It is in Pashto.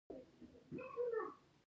ایا ستاسو مدیریت بریالی نه دی؟